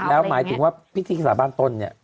แล้วหมายถึงว่าพิธีกษาบ้านต้นเนี่ย